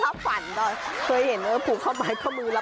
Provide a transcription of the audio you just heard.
ก็รับขวัญด้วยเคยเห็นว่าผูกข้อมือมันให้ข้อมือรับขวัญ